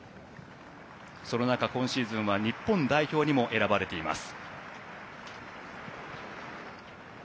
その中、今シーズンは日本代表にも選ばれています。